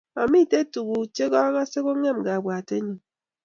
Ametei tuguk chagase kongem kabwatenyu